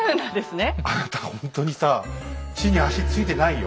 あなたほんとにさ地に足ついてないよ